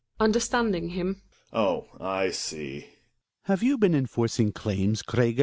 {Understanding him.) Oh! I see. Hjalmar. Have you been enforcing claims, Gregers?